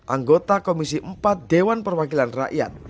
anggota komisi empat dewan perwakilan rakyat